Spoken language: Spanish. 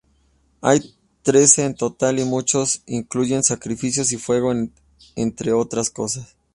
Hay trece en total, y muchos incluyen sacrificios y fuego entre otras cosas.